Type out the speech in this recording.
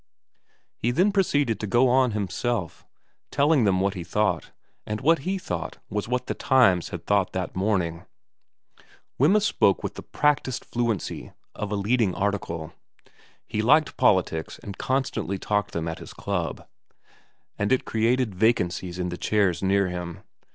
He then proceeded to go on himself, telling them what he thought ; and what he thought was what The Times had thought that morning. Wemyss spoke with the practised fluency of a leading article. He liked politics and constantly talked them at his club, and it created vacancies in the chairs near him.